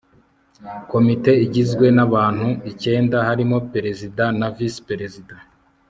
komite igizwe n'abantu icyenda barimo perezida na visi perezida